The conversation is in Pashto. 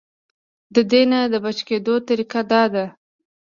د دې نه د بچ کېدو طريقه دا ده -